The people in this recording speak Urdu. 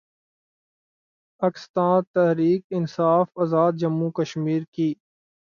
اکستان تحریک انصاف آزادجموں وکشمیر کی